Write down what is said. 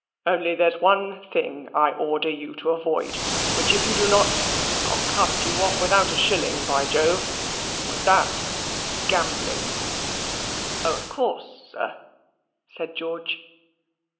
Only there's one thing I order you to avoid, which, if you do not, I'll cut you off with a shilling, by Jove; and that's gambling." "Oh, of course, sir," said George.